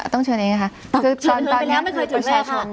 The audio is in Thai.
ต้องเชิญเองค่ะ